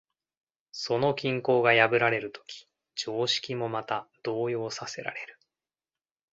その均衡が破られるとき、常識もまた動揺させられる。